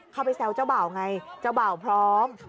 เข้าไปแซวเจ้าบ่าวไงเจ้าบ่าวพร้อม